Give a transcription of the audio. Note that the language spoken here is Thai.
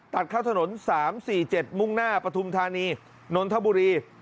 ตัดเข้าถนน๓๔๗มุ่งหน้าปฐุมธานีนนทบุรี